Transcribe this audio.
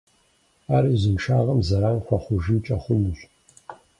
Ар и узыншагъэм зэран хуэхъужынкӀэ хъунущ.